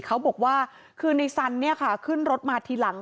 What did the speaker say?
เขาบอกว่าคือในสันเนี่ยค่ะขึ้นรถมาทีหลัง